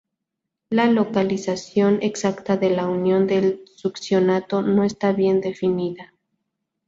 La localización exacta de la unión del succinato no está bien definida.